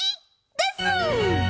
です！